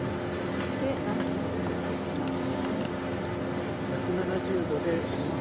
でなすを入れてきますね。